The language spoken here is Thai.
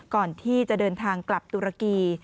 ก่อนที่จะเดินทางกลับตุรกี